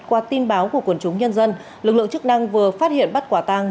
qua tin báo của quần chúng nhân dân lực lượng chức năng vừa phát hiện bắt quả tang